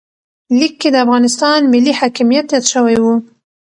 لیک کې د افغانستان ملي حاکمیت یاد شوی و.